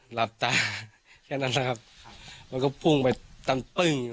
หลับตาแค่นั้นนะครับมันก็พุ่งไปตันตึ้ง